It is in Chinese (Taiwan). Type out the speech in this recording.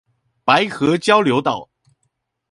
白河交流道